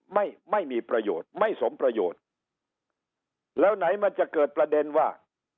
ไม่มีประโยชน์ไม่สมประโยชน์แล้วไหนมันจะเกิดประเด็นว่า